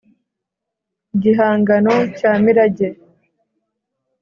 igihangano cya mirage,